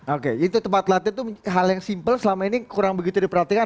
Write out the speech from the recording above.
oke itu tempat latihan itu hal yang simpel selama ini kurang begitu diperhatikan